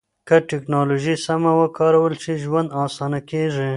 که ټکنالوژي سمه وکارول شي، ژوند اسانه کېږي.